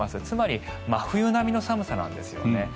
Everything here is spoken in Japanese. つまり真冬並みの寒さなんですよね。